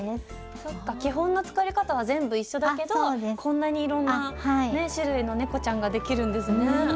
そっか基本の作り方は全部一緒だけどこんなにいろんなね種類のねこちゃんができるんですね。